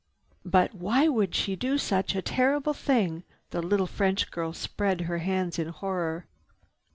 "But why would she do such a terrible thing?" The little French girl spread her hands in horror.